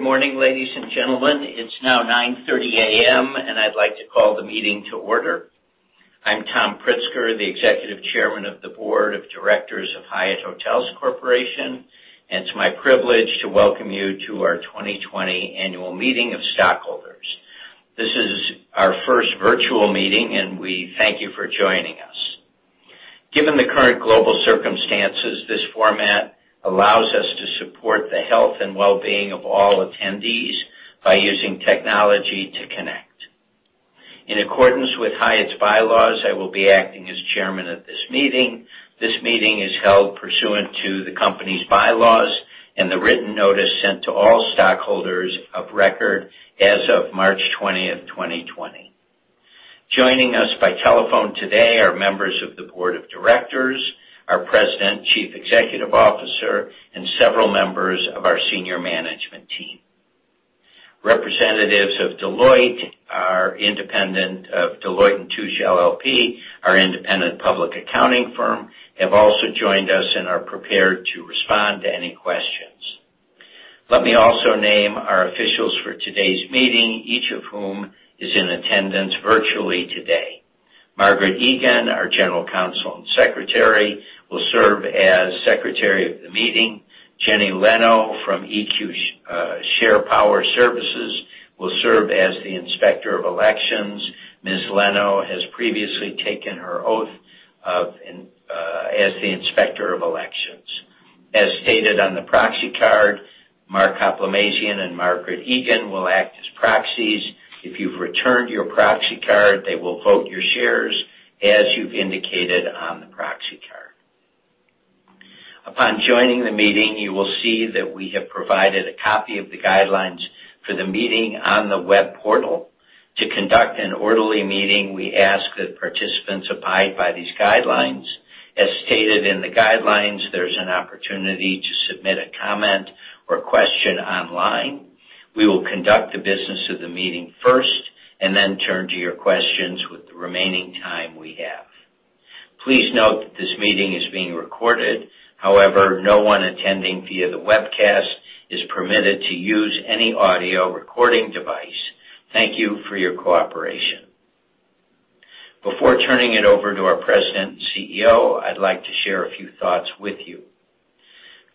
Good morning, ladies and gentlemen. It's now 9:30 A.M., and I'd like to call the meeting to order. I'm Tom Pritzker, the Executive Chairman of the Board of Directors of Hyatt Hotels Corporation, and it's my privilege to welcome you to our 2020 Annual Meeting of Stockholders. This is our first virtual meeting, and we thank you for joining us. Given the current global circumstances, this format allows us to support the health and well-being of all attendees by using technology to connect. In accordance with Hyatt's bylaws, I will be acting as Chairman of this meeting. This meeting is held pursuant to the company's bylaws and the written notice sent to all stockholders of record as of March 20, 2020. Joining us by telephone today are members of the Board of Directors, our President, Chief Executive Officer, and several members of our senior management team. Representatives of Deloitte, our independent public accounting firm, have also joined us and are prepared to respond to any questions. Let me also name our officials for today's meeting, each of whom is in attendance virtually today. Margaret Egan, our General Counsel and Secretary, will serve as Secretary of the Meeting. Jenny Leno from EQ SharePower Services will serve as the Inspector of Elections. Ms. Leno has previously taken her oath as the Inspector of Elections. As stated on the proxy card, Mark Hoplamazian and Margaret Egan will act as proxies. If you've returned your proxy card, they will vote your shares as you've indicated on the proxy card. Upon joining the meeting, you will see that we have provided a copy of the guidelines for the meeting on the web portal. To conduct an orderly meeting, we ask that participants abide by these guidelines. As stated in the guidelines, there's an opportunity to submit a comment or question online. We will conduct the business of the meeting first and then turn to your questions with the remaining time we have. Please note that this meeting is being recorded. However, no one attending via the webcast is permitted to use any audio recording device. Thank you for your cooperation. Before turning it over to our President and CEO, I'd like to share a few thoughts with you.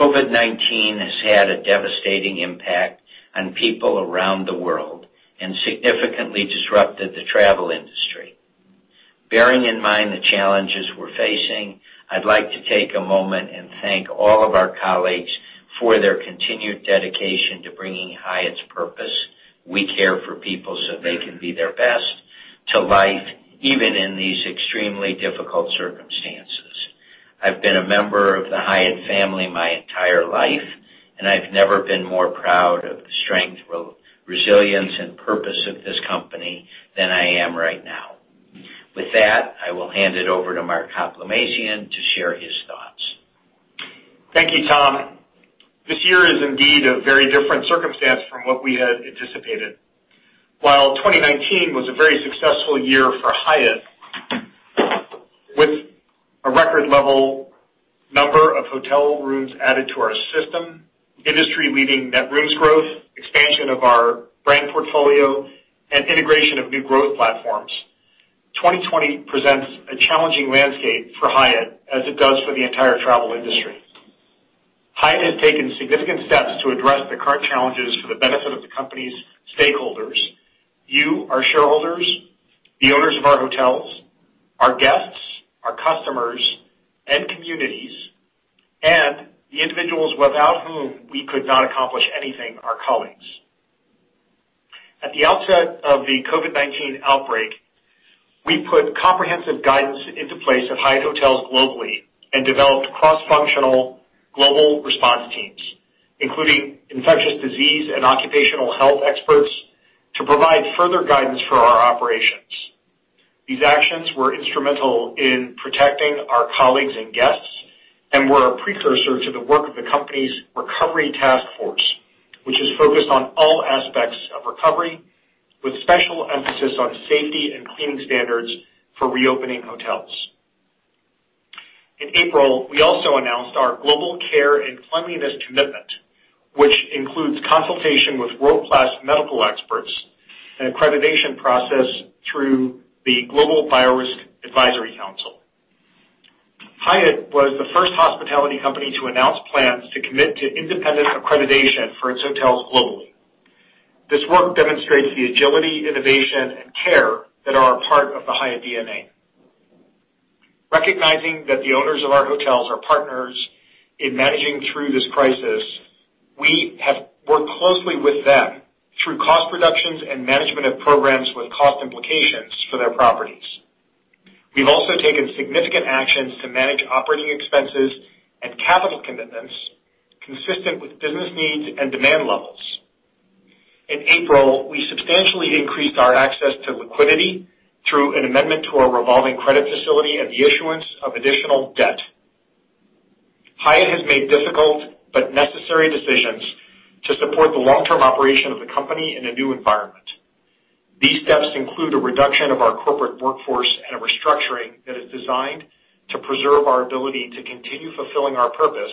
COVID-19 has had a devastating impact on people around the world and significantly disrupted the travel industry. Bearing in mind the challenges we're facing, I'd like to take a moment and thank all of our colleagues for their continued dedication to bringing Hyatt's purpose—we care for people so they can be their best—to life even in these extremely difficult circumstances. I've been a member of the Hyatt family my entire life, and I've never been more proud of the strength, resilience, and purpose of this company than I am right now. With that, I will hand it over to Mark Hoplamazian to share his thoughts. Thank you, Tom. This year is indeed a very different circumstance from what we had anticipated. While 2019 was a very successful year for Hyatt, with a record-level number of hotel rooms added to our system, industry-leading net rooms growth, expansion of our brand portfolio, and integration of new growth platforms, 2020 presents a challenging landscape for Hyatt as it does for the entire travel industry. Hyatt has taken significant steps to address the current challenges for the benefit of the company's stakeholders—you, our shareholders, the owners of our hotels, our guests, our customers, and communities, and the individuals without whom we could not accomplish anything: our colleagues. At the outset of the COVID-19 outbreak, we put comprehensive guidance into place at Hyatt Hotels globally and developed cross-functional global response teams, including infectious disease and occupational health experts, to provide further guidance for our operations. These actions were instrumental in protecting our colleagues and guests and were a precursor to the work of the company's recovery task force, which is focused on all aspects of recovery, with special emphasis on safety and cleaning standards for reopening hotels. In April, we also announced our Global Care and Cleanliness Commitment, which includes consultation with world-class medical experts and an accreditation process through the Global Virus Advisory Council. Hyatt was the first hospitality company to announce plans to commit to independent accreditation for its hotels globally. This work demonstrates the agility, innovation, and care that are a part of the Hyatt DNA. Recognizing that the owners of our hotels are partners in managing through this crisis, we have worked closely with them through cost reductions and management of programs with cost implications for their properties. We've also taken significant actions to manage operating expenses and capital commitments consistent with business needs and demand levels. In April, we substantially increased our access to liquidity through an amendment to our revolving credit facility and the issuance of additional debt. Hyatt has made difficult but necessary decisions to support the long-term operation of the company in a new environment. These steps include a reduction of our corporate workforce and a restructuring that is designed to preserve our ability to continue fulfilling our purpose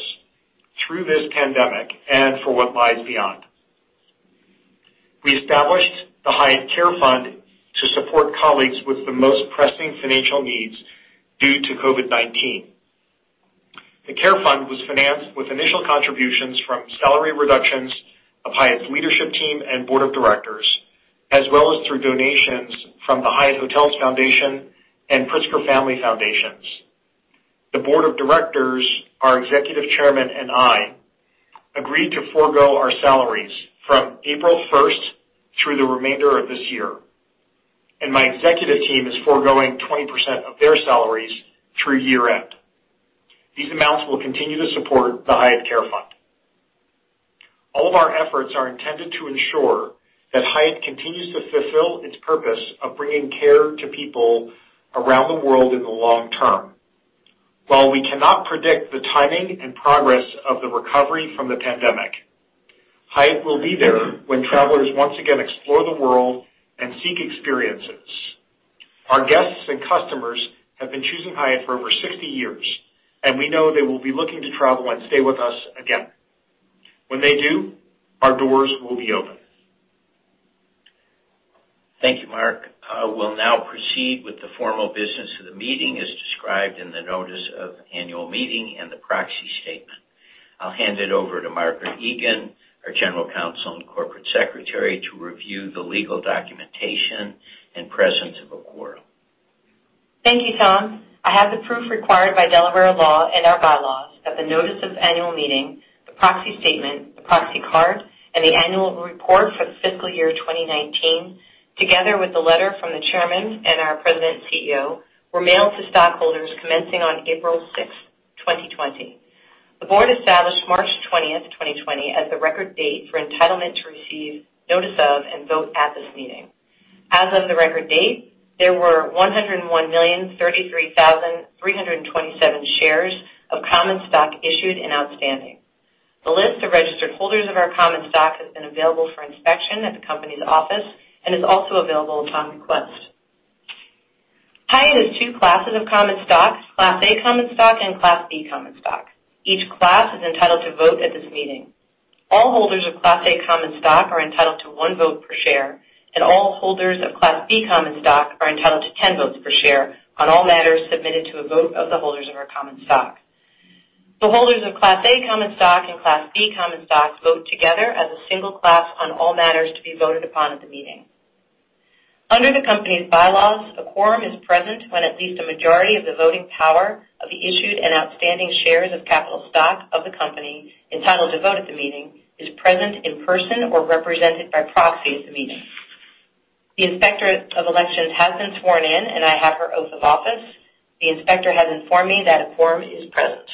through this pandemic and for what lies beyond. We established the Hyatt Care Fund to support colleagues with the most pressing financial needs due to COVID-19. The Care Fund was financed with initial contributions from salary reductions of Hyatt's leadership team and board of directors, as well as through donations from the Hyatt Hotels Foundation and Pritzker Family Foundations. The board of directors, our Executive Chairman, and I agreed to forgo our salaries from April 1 through the remainder of this year, and my executive team is forgoing 20% of their salaries through year-end. These amounts will continue to support the Hyatt Care Fund. All of our efforts are intended to ensure that Hyatt continues to fulfill its purpose of bringing care to people around the world in the long term. While we cannot predict the timing and progress of the recovery from the pandemic, Hyatt will be there when travelers once again explore the world and seek experiences. Our guests and customers have been choosing Hyatt for over 60 years, and we know they will be looking to travel and stay with us again. When they do, our doors will be open. Thank you, Mark. I will now proceed with the formal business of the meeting as described in the Notice of Annual Meeting and the proxy statement. I'll hand it over to Margaret Egan, our General Counsel and Corporate Secretary, to review the legal documentation in presence of a quorum. Thank you, Tom. I have the proof required by Delaware law and our bylaws that the Notice of Annual Meeting, the proxy statement, the proxy card, and the annual report for the fiscal year 2019, together with the letter from the Chairman and our President and CEO, were mailed to stockholders commencing on April 6, 2020. The board established March 20, 2020, as the record date for entitlement to receive notice of and vote at this meeting. As of the record date, there were 101,033,327 shares of common stock issued and outstanding. The list of registered holders of our common stock has been available for inspection at the company's office and is also available upon request. Hyatt has two classes of common stock: Class A common stock and Class B common stock. Each class is entitled to vote at this meeting. All holders of Class A common stock are entitled to one vote per share, and all holders of Class B common stock are entitled to 10 votes per share on all matters submitted to a vote of the holders of our common stock. The holders of Class A common stock and Class B common stock vote together as a single class on all matters to be voted upon at the meeting. Under the company's bylaws, a quorum is present when at least a majority of the voting power of the issued and outstanding shares of capital stock of the company entitled to vote at the meeting is present in person or represented by proxy at the meeting. The Inspector of Elections has been sworn in, and I have her oath of office. The Inspector has informed me that a quorum is present.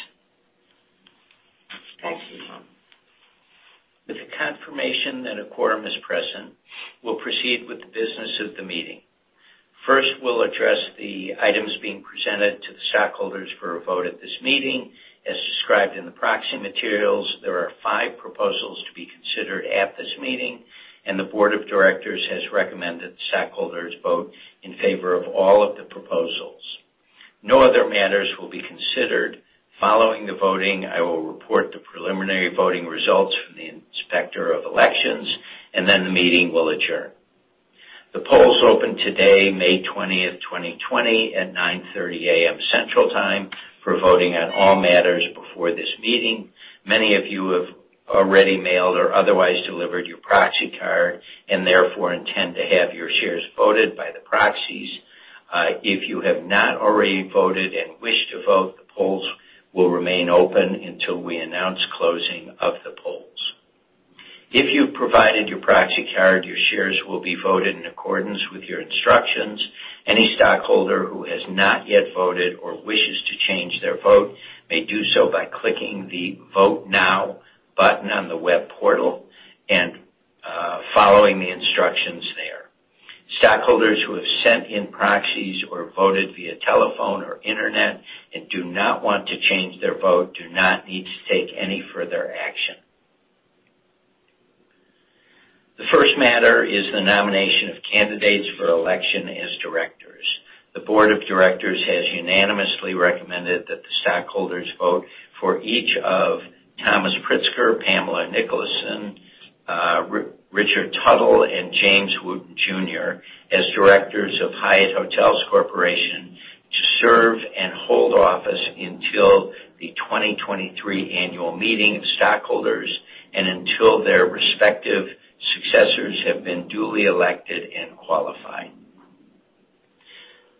Thank you, Tom. With the confirmation that a quorum is present, we'll proceed with the business of the meeting. First, we'll address the items being presented to the stockholders for a vote at this meeting. As described in the proxy materials, there are five proposals to be considered at this meeting, and the board of directors has recommended the stockholders vote in favor of all of the proposals. No other matters will be considered. Following the voting, I will report the preliminary voting results from the Inspector of Elections, and then the meeting will adjourn. The polls open today, May 20, 2020, at 9:30 A.M. Central Time for voting on all matters before this meeting. Many of you have already mailed or otherwise delivered your proxy card and therefore intend to have your shares voted by the proxies. If you have not already voted and wish to vote, the polls will remain open until we announce closing of the polls. If you've provided your proxy card, your shares will be voted in accordance with your instructions. Any stockholder who has not yet voted or wishes to change their vote may do so by clicking the Vote Now button on the web portal and following the instructions there. Stockholders who have sent in proxies or voted via telephone or internet and do not want to change their vote do not need to take any further action. The first matter is the nomination of candidates for election as directors. The board of directors has unanimously recommended that the stockholders vote for each of Thomas Pritzker, Pamela Nicholson, Rick Tuttle, and James Wooten, Jr. as directors of Hyatt Hotels Corporation to serve and hold office until the 2023 annual meeting of stockholders and until their respective successors have been duly elected and qualified.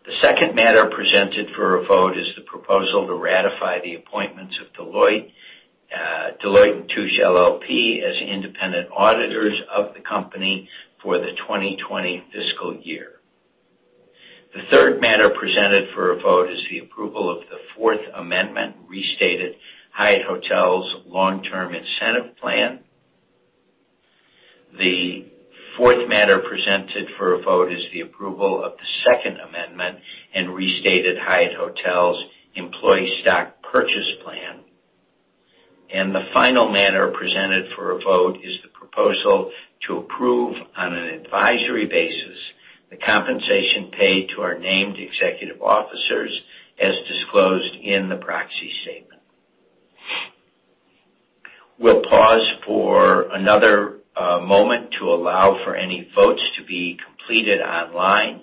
The second matter presented for a vote is the proposal to ratify the appointments of Deloitte & Touche, LLP, as independent auditors of the company for the 2020 fiscal year. The third matter presented for a vote is the approval of the Fourth Amendment, restated Hyatt Hotels' long-term incentive plan. The fourth matter presented for a vote is the approval of the Second Amendment and restated Hyatt Hotels' employee stock purchase plan. The final matter presented for a vote is the proposal to approve on an advisory basis the compensation paid to our named executive officers as disclosed in the proxy statement. We'll pause for another moment to allow for any votes to be completed online.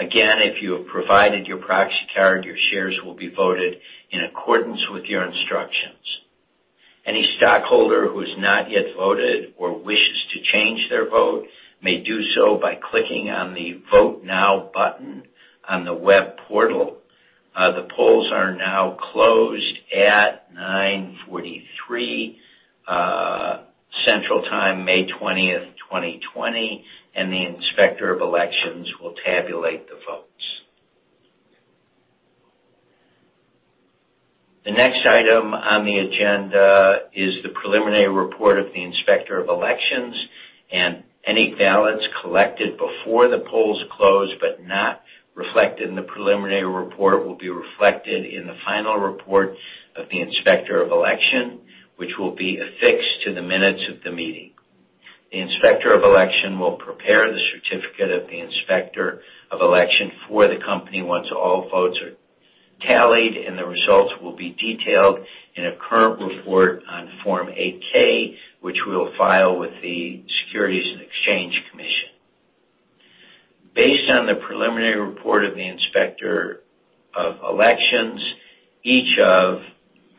Again, if you have provided your proxy card, your shares will be voted in accordance with your instructions. Any stockholder who has not yet voted or wishes to change their vote may do so by clicking on the Vote Now button on the web portal. The polls are now closed at 9:43 A.M. Central Time, May 20, 2020, and the Inspector of Elections will tabulate the votes. The next item on the agenda is the preliminary report of the Inspector of Elections, and any ballots collected before the polls close but not reflected in the preliminary report will be reflected in the final report of the Inspector of Elections, which will be affixed to the minutes of the meeting. The Inspector of Election will prepare the certificate of the Inspector of Election for the company once all votes are tallied, and the results will be detailed in a current report on Form 8-K, which we'll file with the Securities and Exchange Commission. Based on the preliminary report of the Inspector of Election, each of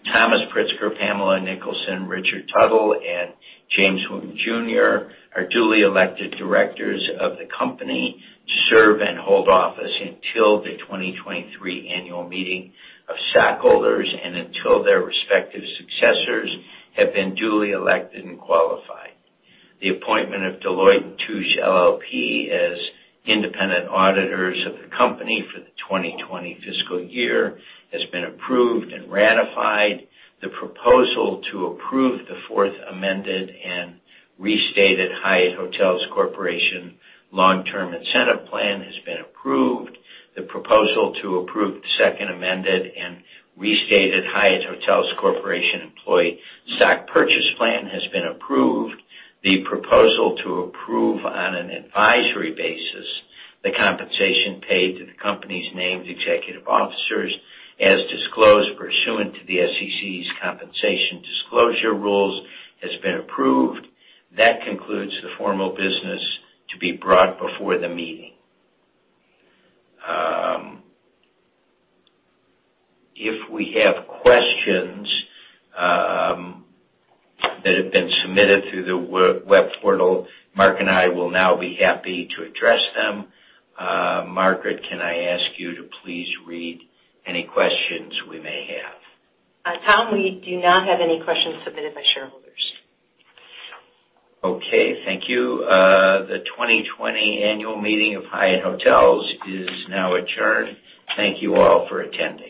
Thomas Pritzker, Pamela Nicholson, Rick Tuttle, and James Wooten, Jr., are duly elected directors of the company to serve and hold office until the 2023 annual meeting of stockholders and until their respective successors have been duly elected and qualified. The appointment of Deloitte & Touche, LLP, as independent auditors of the company for the 2020 fiscal year has been approved and ratified. The proposal to approve the Fourth Amended and Restated Hyatt Hotels Corporation Long-Term Incentive Plan has been approved. The proposal to approve the Second Amended and Restated Hyatt Hotels Corporation employee stock purchase plan has been approved. The proposal to approve on an advisory basis the compensation paid to the company's named executive officers as disclosed pursuant to the SEC's compensation disclosure rules has been approved. That concludes the formal business to be brought before the meeting. If we have questions that have been submitted through the web portal, Mark and I will now be happy to address them. Margaret, can I ask you to please read any questions we may have? Tom, we do not have any questions submitted by shareholders. Okay. Thank you. The 2020 annual meeting of Hyatt Hotels is now adjourned. Thank you all for attending.